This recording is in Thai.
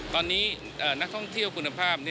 ตอนนี้นักท่องเที่ยวคุณภาพ